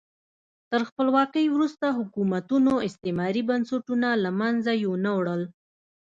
تر خپلواکۍ وروسته حکومتونو استعماري بنسټونه له منځه یو نه وړل.